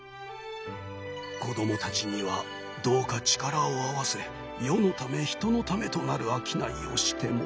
子どもたちにはどうか力を合わせ世のため人のためとなる商いをしてもらいたい。